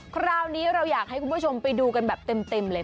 คราวนี้เราอยากให้คุณผู้ชมไปดูกันแบบเต็มเลย